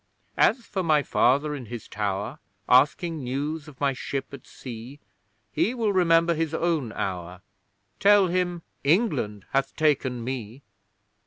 As for my Father in his tower, Asking news of my ship at sea; He will remember his own hour Tell him England hath taken me!